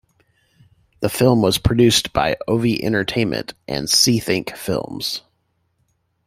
The film was produced by Ovie Entertainment and SeeThink Films.